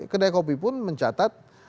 kedai kopi pun mencatat